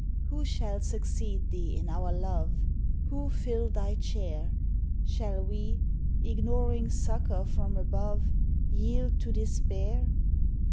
Who shall succeed thee in our love? Who fill thy chair? Shall we, ignoring succour from above, Yield to despair?